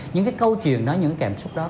những cái câu chuyện đó những cảm xúc đó